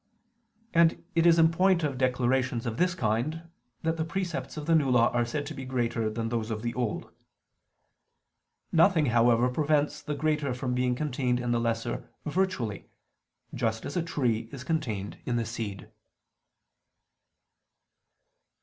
And it is in the point of declarations of this kind that the precepts of the New Law are said to be greater than those of the Old. Nothing, however, prevents the greater from being contained in the lesser virtually; just as a tree is contained in the seed.